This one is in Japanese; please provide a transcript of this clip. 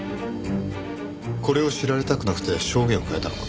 これを知られたくなくて証言を変えたのか。